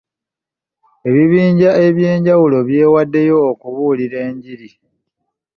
Ebibinja eby'enjawulo byewaddeyo okubuulira enjiri.